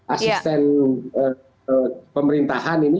asisten pemerintahan ini